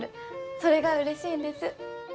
それがうれしいんです。